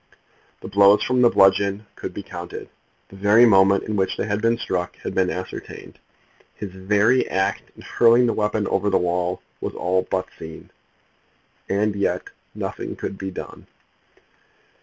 The blows from the bludgeon could be counted. The very moment in which they had been struck had been ascertained. His very act in hurling the weapon over the wall was all but seen. And yet nothing could be done.